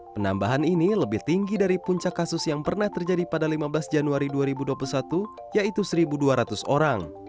penambahan ini lebih tinggi dari puncak kasus yang pernah terjadi pada lima belas januari dua ribu dua puluh satu yaitu satu dua ratus orang